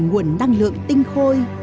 nguồn năng lượng tinh khôi